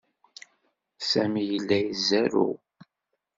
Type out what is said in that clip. Sami yella izerrew.